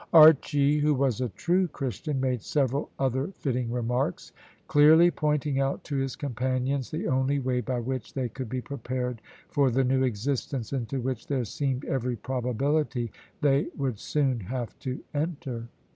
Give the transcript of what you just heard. Archy, who was a true Christian, made several other fitting remarks, clearly pointing out to his companions the only way by which they could be prepared for the new existence into which there seemed every probability they would soon have to enter.